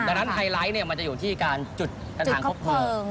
ดังนั้นไฮไลท์จะอยู่ที่การจุดทางครอบเพลิง